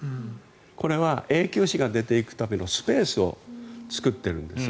これは永久歯が出ていくためのスペースを作っているんです。